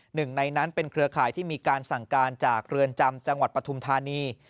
หนึ่งในนั้นเป็นเครือข่ายที่มีการสั่งการจากเรือนจำจังหวัดปฐุมธานี